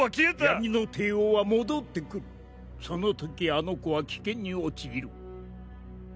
闇の帝王は戻ってくるその時あの子は危険に陥る∈